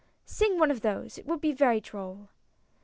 "Sing one of those — it would be very droll!"